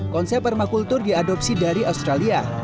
konsep permakultur diadopsi dari australia